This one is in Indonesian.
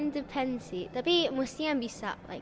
depends sih tapi mustinya bisa